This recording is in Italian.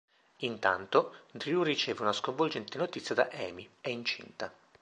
Intanto, Drew riceve una sconvolgente notizia da Amy: è incinta.